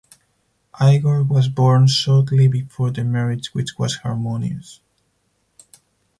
Igor was born shortly before their marriage which was harmonious.